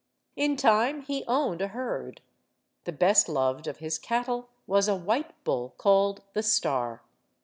In time he owned a herd. The best loved of his cattle was a white bull, called The Star.